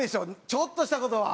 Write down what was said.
ちょっとした事は。